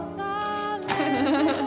フフフフ。